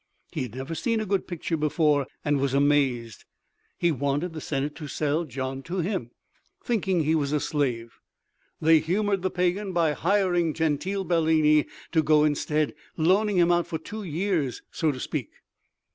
He had never seen a good picture before and was amazed. He wanted the Senate to sell Gian to him, thinking he was a slave. They humored the Pagan by hiring Gentile Bellini to go instead, loaning him out for two years, so to speak.